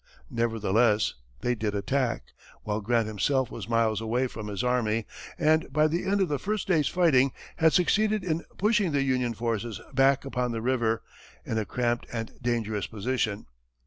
Nevertheless, they did attack, while Grant himself was miles away from his army, and by the end of the first day's fighting, had succeeded in pushing the Union forces back upon the river, in a cramped and dangerous position.